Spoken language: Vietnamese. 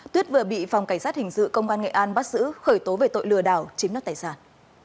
tuyết vừa bị phòng cảnh sát hình sự công an nghệ an bắt giữ khởi tố về tội lừa đảo chiếm đoạt tài sản